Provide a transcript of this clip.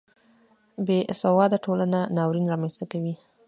بې سواده ټولنه ناورین رامنځته کوي